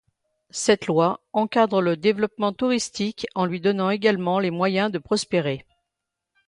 Cette loi encadre le développement touristique en lui donnant également les moyens de prospérer.